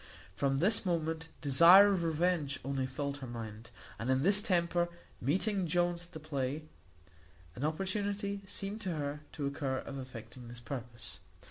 From this moment desire of revenge only filled her mind; and in this temper meeting Jones at the play, an opportunity seemed to her to occur of effecting this purpose.